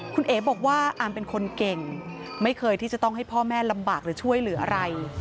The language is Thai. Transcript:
คุณเอ๋บอกว่าอามเป็นคนเก่งไม่เคยที่จะต้องให้พ่อแม่ลำบากหรือช่วยเหลืออะไร